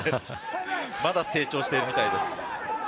まだ成長しているみたいです。